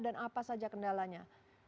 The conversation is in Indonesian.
dan apa saja kendalanya